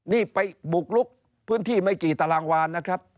นี่ไปบุกลุกพื้นที่ไม่กี่ตารางวานนะครับ